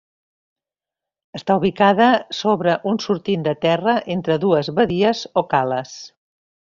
Està ubicada sobre un sortint de terra entre dues badies o cales.